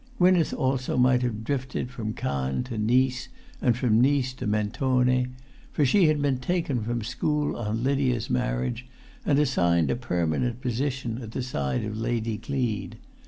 Gwynneth also might have drifted from Cannes to Nice, and from Nice to Mentone, for she had been taken from school on Lydia's marriage, and assigned a permanent position at the side of Lady Gleed.